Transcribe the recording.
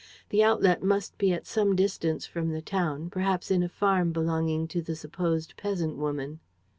The outlet must be at some distance from the town, perhaps in a farm belonging to the supposed peasant woman."